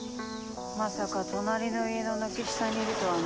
まさか隣の家の軒下にいるとはね。